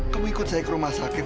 kamu ikut saya ke rumah sakit